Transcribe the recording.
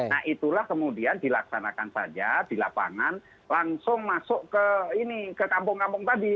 nah itulah kemudian dilaksanakan saja di lapangan langsung masuk ke kampung kampung tadi